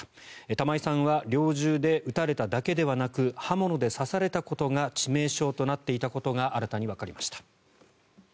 玉井さんは猟銃で撃たれただけではなく刃物で刺されたことが致命傷となっていたことが新たにわかりました。